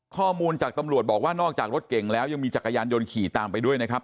ข้อมูลจากตำรวจบอกว่านอกจากรถเก่งแล้วยังมีจักรยานยนต์ขี่ตามไปด้วยนะครับ